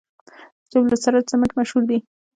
جبل السراج سمنټ مشهور دي؟